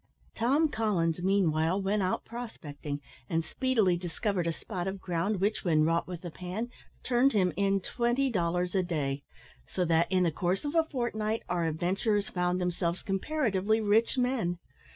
Tom Collins, meanwhile, went out prospecting, and speedily discovered a spot of ground which, when wrought with the pan, turned him in twenty dollars a day. So that, in the course of a fortnight, our adventurers found themselves comparatively rich men.